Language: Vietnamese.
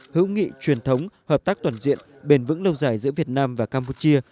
hữu nghị truyền thống hợp tác toàn diện bền vững lâu dài giữa việt nam và campuchia